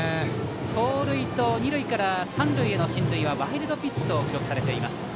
盗塁と二塁から三塁への進塁はワイルドピッチと記録されています。